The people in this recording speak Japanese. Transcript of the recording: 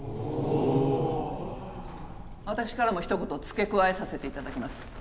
私からもひと言付け加えさせて頂きます。